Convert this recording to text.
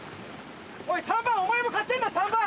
おい３番お前も買ってんだ３番！